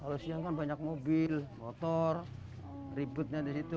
kalau siang kan banyak mobil motor ributnya di situ